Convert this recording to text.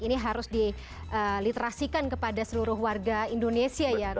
ini harus diliterasikan kepada seluruh warga indonesia ya